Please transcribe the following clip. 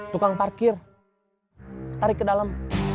tukang parkir tarik ke dalam